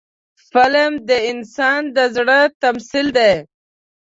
فلم د انسان د زړه تمثیل دی